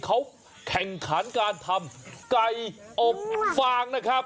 เขาแข่งขันการทำไก่อบฟางนะครับ